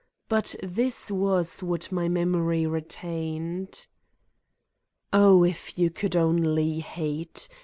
But this was what my memory retained : "Oh, if you could only hate